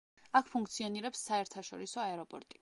აქ ფუნქციონირებს საერთაშორისო აეროპორტი.